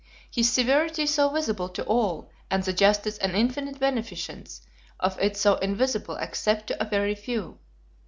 His severity so visible to all, and the justice and infinite beneficence of it so invisible except to a very few.